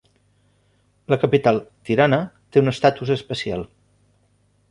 La Capital, Tirana, té un estatus especial.